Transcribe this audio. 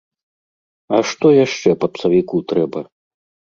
А што яшчэ папсавіку трэба?